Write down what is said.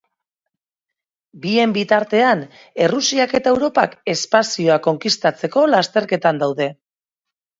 Bien bitartean, Errusiak eta Europak espazioa konkistatzeko lasterketan daude.